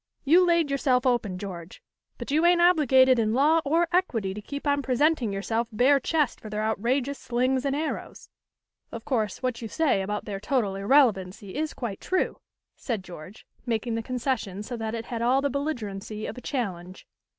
"You laid yourself open, George, but you ain't obligated in law or equity to keep on presenting yourself bare chest for their outrageous slings and arrows." "Of course, what you say about their total irrelevancy is quite true," said George, making the concession so that it had all the belligerency of a challenge.